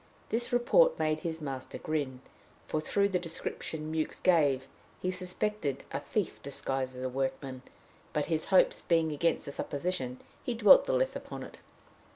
This report made his master grin, for, through the description Mewks gave, he suspected a thief disguised as a workman; but, his hopes being against the supposition, he dwelt the less upon it.